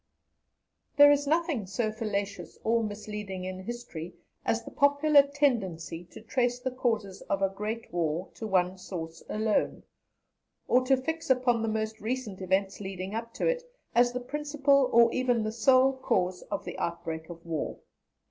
There is nothing so fallacious or misleading in history as the popular tendency to trace the causes of a great war to one source alone, or to fix upon the most recent events leading up to it, as the principal or even the sole cause of the outbreak of war.